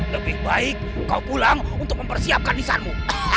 lebih baik kau pulang untuk mempersiapkan nisanmu